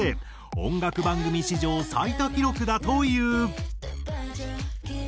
音楽番組史上最多記録だという。